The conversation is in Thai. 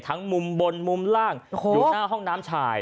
มุมบนมุมล่างอยู่หน้าห้องน้ำชาย